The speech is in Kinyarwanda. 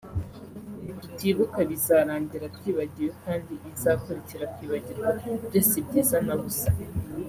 “Nitutibuka bizarangira twibagiwe kandi ibizakurikira kwibagirwa byo si byiza na busa”